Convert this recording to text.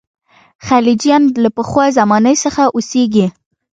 خلجیان له پخوا زمانې څخه اوسېږي.